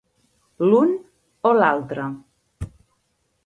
L'un o l'altre.